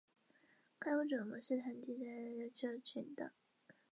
该物种的模式产地在琉球群岛。